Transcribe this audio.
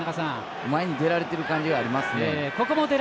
前に出られている感じありますね。